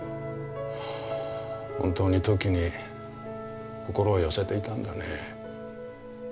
本当にトキに心を寄せていたんだね。